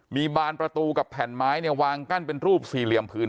มีบานประตูกับแผ่นไม้เนี่ยวางกั้นเป็นรูปสี่เหลี่ยมพื้น